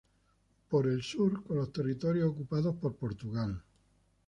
Por el sur: con los territorios ocupados por Portugal.